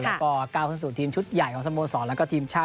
แล้วก็ก้าวขึ้นสู่ทีมชุดใหญ่ของสโมสรแล้วก็ทีมชาติ